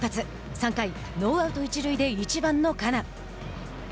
３回、ノーアウト、一塁で１番のカナ。